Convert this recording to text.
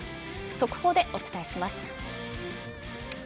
速報でお伝えします。